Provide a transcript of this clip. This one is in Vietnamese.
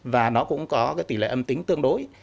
và nó cũng có cái tỷ lệ âm tính tương đối